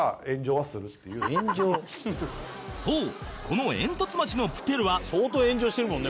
そうこの『えんとつ町のプペル』は「相当炎上してるもんね」